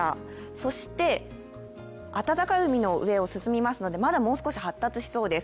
そして温かい海の上を進みますのでまだもう少し発達しそうです。